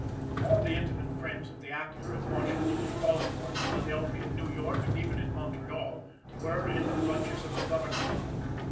All the intimate friends of the actor in Washington, in Baltimore, in Philadelphia, in New York and even in Montreal were in the clutches of the government.